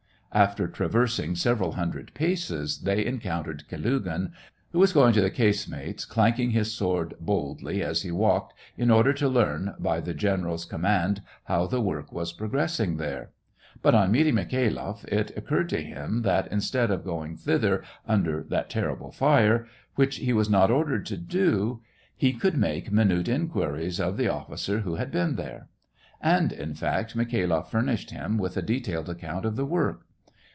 After traversing several hundred paces, they encountered Kalugin, who was going to the casemates, clanking his sword boldly as he walked, in order to learn, by the general's com mand, how the work was progressing there. But on meeting Mikhailoff, it occurred to him that, instead of going thither, under that terrible fire, which he was not ordered to do, he could make minute inquiries of the officer who had been there. And, in fact, Mikhailoff furnished him with a detailed account of the work.